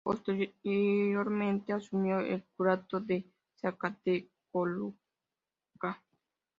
Posteriormente asumió el curato de Zacatecoluca.